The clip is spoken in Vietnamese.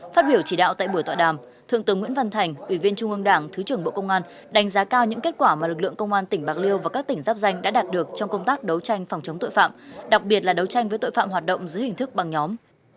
phát biểu chỉ đạo tại buổi tọa đàm thượng tướng nguyễn văn thành ủy viên trung ương đảng thứ trưởng bộ công an đánh giá cao những kết quả mà lực lượng công an tỉnh bạc liêu và các tỉnh giáp danh đã đạt được trong công tác đấu tranh phòng chống tội phạm đặc biệt là đấu tranh với tội phạm hoạt động dưới hình thức băng nhóm